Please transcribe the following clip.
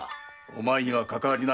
お前にはかかわりない。